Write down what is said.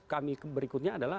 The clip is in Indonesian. kami berikutnya adalah